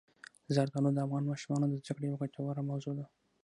زردالو د افغان ماشومانو د زده کړې یوه ګټوره موضوع ده.